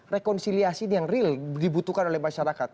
rekonsiliasi ini yang real dibutuhkan oleh masyarakat